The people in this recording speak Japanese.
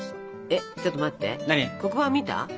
ちょっと待って黒板見た？